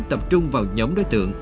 tập trung vào nhóm đối tượng